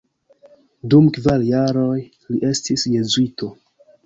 Dum kvar jaroj li estis jezuito.